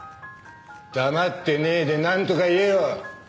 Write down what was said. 黙ってねえでなんとか言えよ！